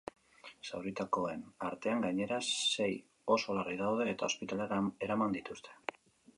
Zauritutakoen artean gainera, sei oso larri daude eta ospitalera eraman dituzte.